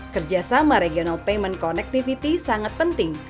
kerjasama regional payment connectivity sangat penting